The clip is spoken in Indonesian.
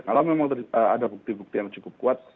kalau memang ada bukti bukti yang cukup kuat